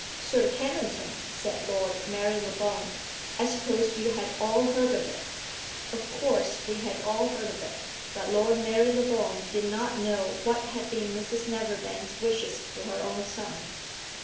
"Sir Kennington," said Lord Marylebone. "I supposed you had all heard of it." Of course we had all heard of it; but Lord Marylebone did not know what had been Mrs Neverbend's wishes for her own son.